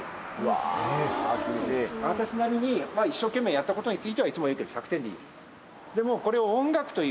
あなたたちなりに一生懸命やったことについては、いつも言うけど１００点でいい。